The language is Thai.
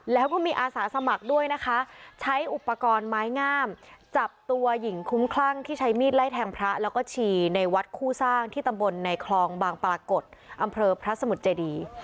แล้วก็มีอาสาสมัครด้วยนะคะใช้อุปกรณ์ไม้งามจับตัวหญิงคุ้มคลั่งที่ใช้มีดไล่แทงพระแล้วก็ชีในวัดคู่สร้างที่ตำบลในคลองบางปรากฏอำเภอพระสมุทรเจดี